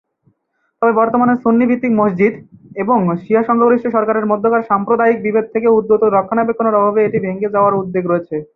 তবে বর্তমানে সুন্নি-ভিত্তিক মসজিদ এবং শিয়া-সংখ্যাগরিষ্ঠ সরকারের মধ্যকার সাম্প্রদায়িক বিভেদ থেকে উদ্ভূত রক্ষণাবেক্ষণের অভাবে এটি ভেঙে যাওয়ার উদ্বেগ রয়েছে।